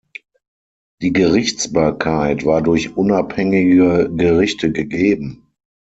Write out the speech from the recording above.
Die Gerichtsbarkeit war durch unabhängige Gerichte gegeben.